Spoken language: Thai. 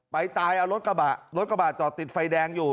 ไปตายเอารถกระบะรถกระบะจอดติดไฟแดงอยู่